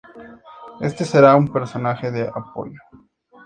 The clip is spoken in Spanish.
Este será un personaje de Apoyo.